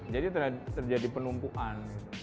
jadi terjadi penumpuan